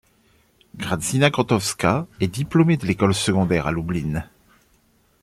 Grażyna Chrostowska est diplômée de l'école secondaire à Lublin.